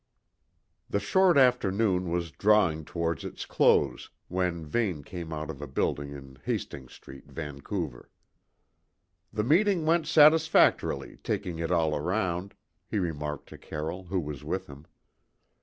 The short afternoon was drawing towards its close when Vane came out of a building in Hastings Street, Vancouver. "The meeting went satisfactorily, taking it all round," he remarked to Carroll, who was with him.